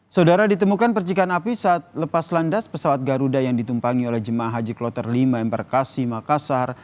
saudara ditemukan percikan api saat lepas landas pesawat garuda yang ditumpangi oleh jemaah haji kloter lima embarkasi makassar